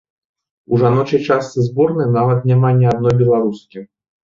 У жаночай частцы зборнай нават няма ні адной беларускі!